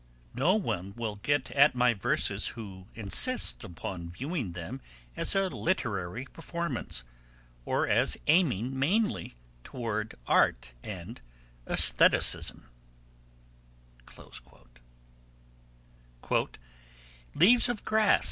'No one will get at my verses who insists upon viewing them as a literary performance ... or as aiming mainly toward art and aestheticism.' 'Leaves of Grass